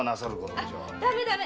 あダメダメ！